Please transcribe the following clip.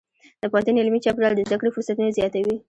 د پوهنتون علمي چاپېریال د زده کړې فرصتونه زیاتوي.